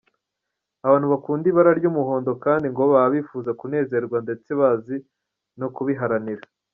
Abantu bakunda ibara ry’umuhondo kandi ngo baba bifuza kunezerwa ndetse bazi no kubiharanira.